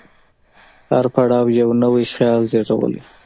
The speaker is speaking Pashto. هر پړاو یو نوی خیال زېږولی.